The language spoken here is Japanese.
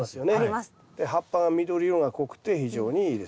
葉っぱが緑色が濃くて非常にいいです。